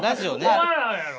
お前らのやろ！